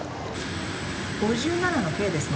５７のＫですね。